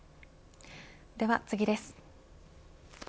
では次です。